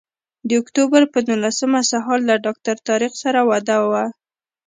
د اکتوبر پر نولسمه سهار له ډاکټر طارق سره وعده وه.